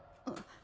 あっ！